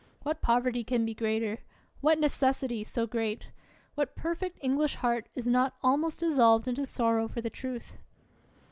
What poverty can be greater ? What necessity so great ? What perfect English heart is not almost dis solved into sorrow for the truth?